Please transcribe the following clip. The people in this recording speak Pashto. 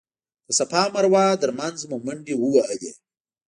د صفا او مروه تر مینځ مو منډې ووهلې.